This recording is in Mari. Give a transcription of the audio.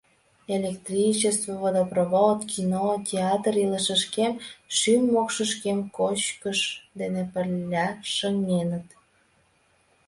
Электричество, водопровод, кино, театр илышышкем, шӱм-мокшышкем кочкыш дене пырля шыҥеныт.